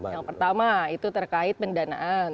yang pertama itu terkait pendanaan